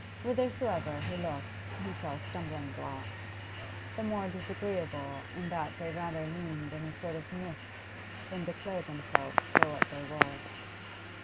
Whithersoever he looked he saw stumbling blocks, the more disagreeable in that they rather loomed in a sort of mist than declared themselves for what they were.